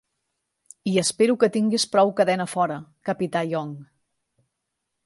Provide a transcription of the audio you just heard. I espero que tinguis prou cadena fora, Capità Young.